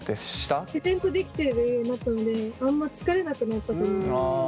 自然とできてるようになったのであんま疲れなくなったと思います。